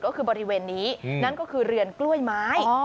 ก็คือบริเวณนี้นั่นก็คือเรือนกล้วยไม้